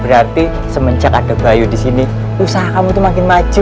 berarti semenjak ada bayu di sini usaha kamu tuh makin maju